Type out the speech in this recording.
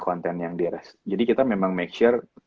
konten yang di rest jadi kita memang make sure